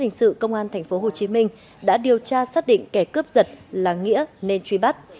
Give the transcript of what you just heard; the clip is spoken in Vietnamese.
hình sự công an tp hcm đã điều tra xác định kẻ cướp giật là nghĩa nên truy bắt